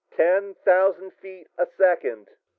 "Ten thousand feet a second!"